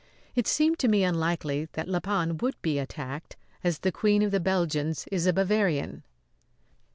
It seemed to me unlikely that La Panne would be attacked, as the Queen of the Belgians is a Bavarian.